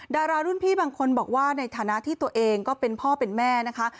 ดารารุ่นพี่บางคนบอกว่าในฐานะที่ตัวเองก็เป็นพ่อเป็นแม่นะคะ